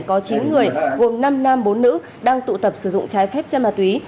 có chín người gồm năm nam bốn nữ đang tụ tập sử dụng trái phép chân ma túy